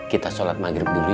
kita sholat maghrib dulu